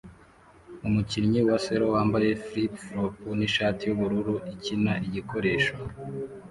Umukinnyi wa selo wambaye flip-flops nishati yubururu ikina igikoresho